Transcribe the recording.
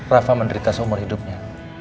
rafa menderita seumur hidupnya